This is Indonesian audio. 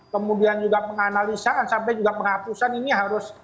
kemudian juga penganalisaan sampai juga penghapusan ini harus